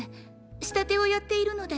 仕立てをやっているので。